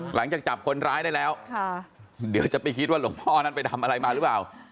หลังจากจับคนร้ายได้แล้วเดี๋ยวจะไปคิดว่าหลวงพ่อนั้นไปทำอะไรมาหรือเปล่า